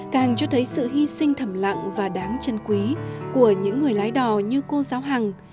càng cho thấy sự hy sinh thầm lặng và đáng chân quý của những người lái đò như cô giáo hằng